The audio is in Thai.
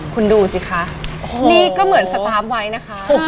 คุณดูสิคะนี่ก็เหมือนสตาร์ฟไว้นะคะ